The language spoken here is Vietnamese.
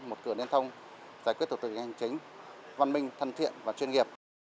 một cửa liên thông giải quyết thủ tục hành chính văn minh thân thiện và chuyên nghiệp